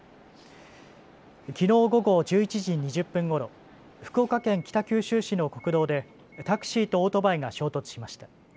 きのう午後１１時２０分ごろ、福岡県北九州市の国道でタクシーとオートバイが衝突しました。